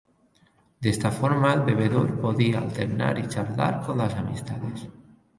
De esta forma el bebedor podía alternar y charlar con las amistades.